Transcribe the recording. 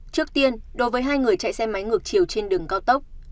trước tiên đối với hai người chạy xe máy ngược chiều trên đường cao tốc